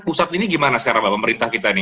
pusat ini gimana sekarang pak pemerintah kita ini